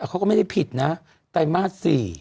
แต่เขาก็ไม่ได้ผิดนะไตรมาส๔